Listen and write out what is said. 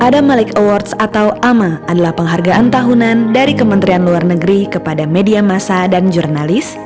adam malik awards atau ama adalah penghargaan tahunan dari kementerian luar negeri kepada media masa dan jurnalis